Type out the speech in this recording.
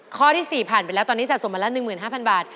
ข้อที่๔ผ่านไปแล้วตอนนี้สะสมมาแล้ว๑๕๐๐บาท